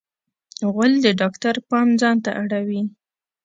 غول د ډاکټر پام ځانته اړوي.